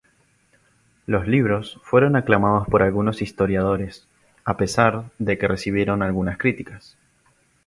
Los libros fueron aclamados por algunos historiadores, a pesar de que recibieron algunas críticas.